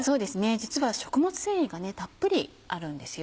実は食物繊維がたっぷりあるんですよ。